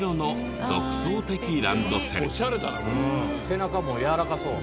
背中もやわらかそう。